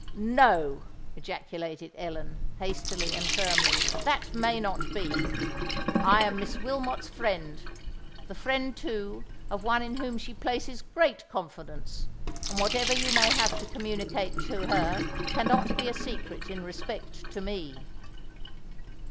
"No!" ejaculated Ellen, hastily and firmly; "that may not be. I am Miss Wilmot's friend—the friend, too, of one in whom she places great confidence; and whatever you may have to communicate to her cannot be a secret in respect to me."